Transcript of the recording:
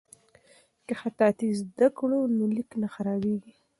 که خطاطي زده کړو نو لیک نه خرابیږي.